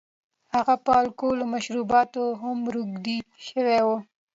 هغه په الکولي مشروباتو هم روږدی شوی و.